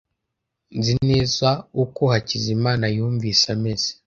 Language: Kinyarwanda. Nzi neza uko Hakizimana yumvise ameze.